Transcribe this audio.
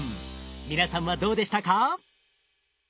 皆さんはどうでしたか？